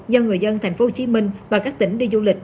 do người dân tp hcm và các tỉnh đi du lịch